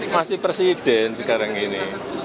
masih presiden sekarang ini